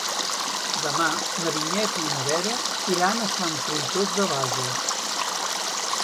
Demà na Vinyet i na Vera iran a Sant Fruitós de Bages.